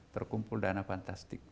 terkumpul dana fantastik